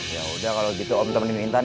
ya udah kalo gitu om temenin intan ya